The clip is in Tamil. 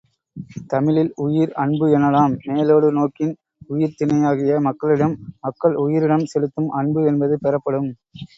தமிழில் உயிர் அன்பு எனலாம். மேலோடு நோக்கின், உயர்திணையாகிய மக்களிடம் மக்கள் உயிரியிடம் செலுத்தும் அன்பு என்பது பெறப்படும்.